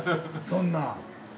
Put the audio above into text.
そんな。